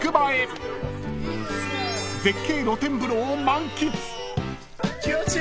［絶景露天風呂を満喫］